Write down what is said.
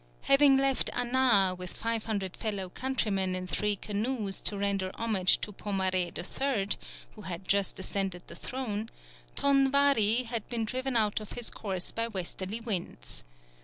Having left Anaa with 500 fellow countrymen in three canoes to render homage to Pomaré III., who had just ascended the throne, Ton Wari had been driven out of his course by westerly winds.